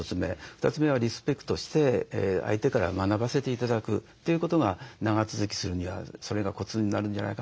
２つ目はリスペクトして相手から学ばせて頂くということが長続きするにはそれがコツになるんじゃないかなと思います。